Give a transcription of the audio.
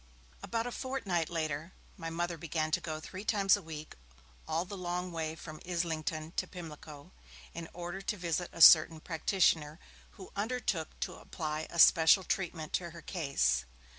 About a fortnight later, my Mother began to go three times a week all the long way from Islington to Pimlico, in order to visit a certain practitioner, who undertook to apply a special treatment to her case.